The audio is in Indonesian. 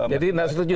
jadi saya setuju